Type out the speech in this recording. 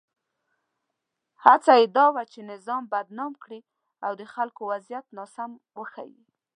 هڅه یې دا وه چې نظام بدنام کړي او د خلکو وضعیت ناسم وښيي.